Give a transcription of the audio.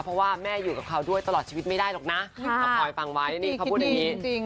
เพราะว่าแม่อยู่กับเขาด้วยตลอดชีวิตไม่ได้หรอกนะกับพลอยฟังไว้นี่เขาพูดอย่างนี้